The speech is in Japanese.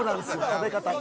食べ方が。